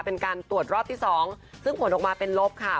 เป็นการตรวจรอบที่๒ซึ่งผลออกมาเป็นลบค่ะ